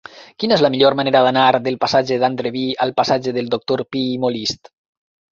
Quina és la millor manera d'anar del passatge d'Andreví al passatge del Doctor Pi i Molist?